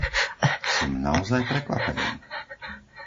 Som naozaj prekvapený.